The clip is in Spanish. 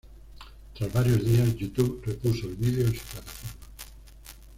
Tras varios días, youtube repuso el vídeo en su plataforma.